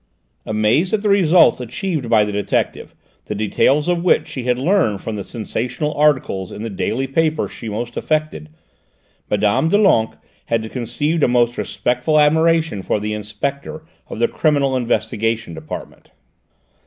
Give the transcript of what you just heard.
Amazed at the results achieved by the detective, the details of which she had learned from the sensational articles in the daily paper she most affected, Mme. Doulenques had conceived a most respectful admiration for the Inspector of the Criminal Investigation Department.